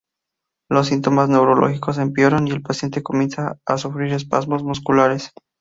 Los síntomas neurológicos empeoran y el paciente comienza a sufrir espasmos musculares.